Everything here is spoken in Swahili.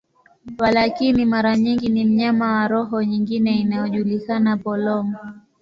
Walakini, mara nyingi ni mnyama wa roho nyingine inayojulikana, polong.